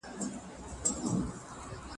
که د خپل کار پلان جوړ کړې نو نه به ناکامېږې.